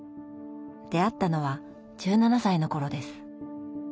出会ったのは１７歳の頃です。